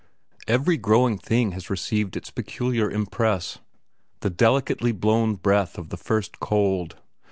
Every growing thing has received its peculiar impress: the delicately blown breath of the first cold.